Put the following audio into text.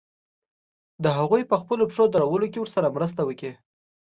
د هغوی په خپلو پښو درولو کې ورسره مرسته وکړي.